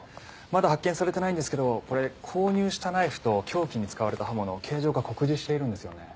まだ発見されてないんですけどこれ購入したナイフと凶器に使われた刃物形状が酷似しているんですよね。